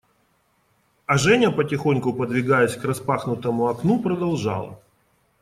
А Женя, потихоньку подвигаясь к распахнутому окну, продолжала.